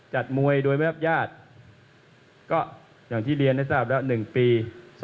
จัดมวยโดยไม่รับญาติก็อย่างที่เรียนให้ทราบแล้ว๑ปี